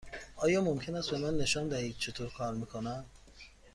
آیا ممکن است به من نشان دهید چطور کار می کند؟